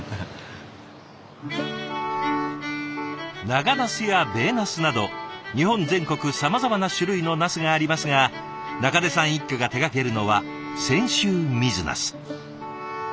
長なすや米なすなど日本全国さまざまな種類のなすがありますが中出さん一家が手がけるのは泉州水なす。